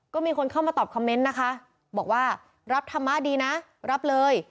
ก็มีคนเข้ามาตอบคอมเมนต์นะคะบอกว่ารับธรรมะดีนะรับเลย